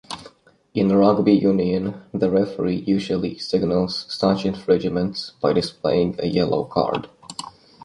In rugby union, the referee usually signals such infringements by displaying a yellow card.